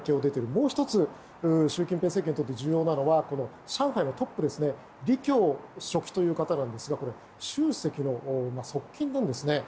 もう１つ習近平政権にとって重要なのは、上海のトップリ・キョウ書記という方がいますが習主席の側近なんですね。